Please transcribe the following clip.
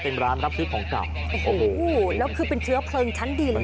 เป็นร้านรับซื้อของเก่าโอ้โหแล้วคือเป็นเชื้อเพลิงชั้นดิน